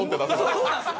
そうなんっすよ。